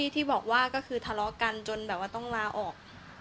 ที่บอกว่าก็คือทะเลาะกันจนแบบว่าต้องลาออก